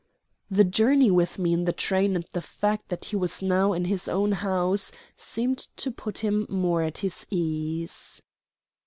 The journey with me in the train and the fact that he was now in his own house seemed to put him more at his ease.